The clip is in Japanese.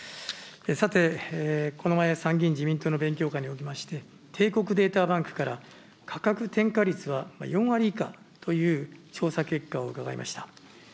さて、この前、参議院自民党の勉強会におきまして、帝国データバンクから価格転嫁率は４割以下という調査結果を伺いました。